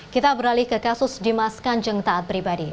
kita beralih ke kasus dimas kanjeng taat pribadi